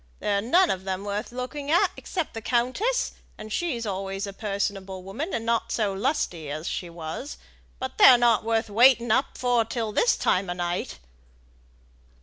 They're none of 'em worth looking at except the countess, and she's always a personable woman, and not so lusty as she was. But they're not worth waiting up for till this time o' night."